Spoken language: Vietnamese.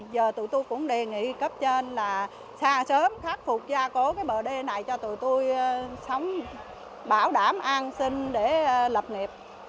giờ tụi tôi cũng đề nghị cấp trên là xa sớm khắc phục gia cố cái bờ đê này cho tụi tôi sống bảo đảm an sinh để lập nghiệp